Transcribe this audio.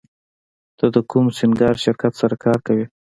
ته د کوم سینګار شرکت سره کار کوې